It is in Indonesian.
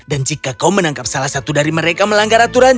dan jika kau menangkap salah satu dari mereka melanggar aturan